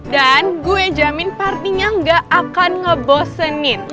dan gue jamin partinya gak akan ngebosenin